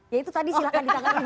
ya itu tadi silahkan ditangani